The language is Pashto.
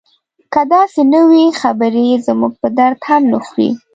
که داسې نه وي خبرې یې زموږ په درد هم نه خوري.